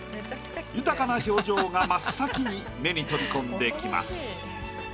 豊かな表情が真っ先に目に飛びこんできます。